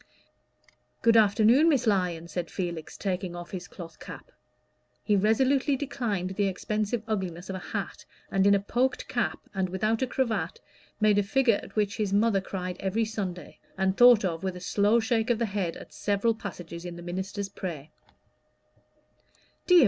"Good afternoon, Miss Lyon," said Felix, taking off his cloth cap: he resolutely declined the expensive ugliness of a hat, and in a poked cap and without a cravat, made a figure at which his mother cried every Sunday, and thought of with a slow shake of the head at several passages in the minister's prayer.